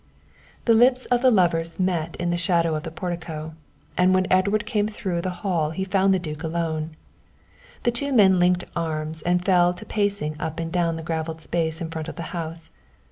The lips of the lovers met in the shadow of the portico, and when Edward came through the hall he found the duke alone. The two men linked arms and fell to pacing up and down the gravelled space in front of the house.